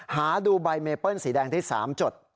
หาดูใบเมเปิ้ลสีแดงที่๓จด